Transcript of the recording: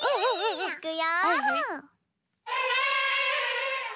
いくよ。